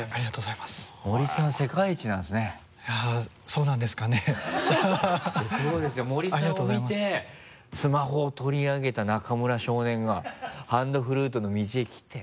そうですよ森さんを見てスマホを取り上げた中村少年がハンドフルートの道へ来て。